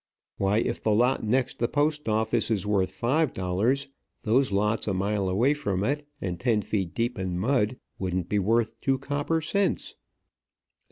Why, if the lot next the post office is worth five dollars, those lots a mile away from it, and ten feet deep in mud, wouldn't be worth two copper cents."